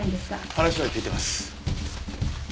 話は聞いてます。